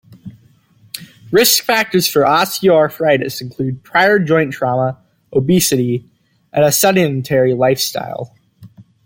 Risk factors for osteoarthritis include prior joint trauma, obesity, and a sedentary lifestyle.